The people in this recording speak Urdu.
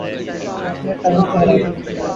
آپ نے ٹام کو ہرا دیا ہے۔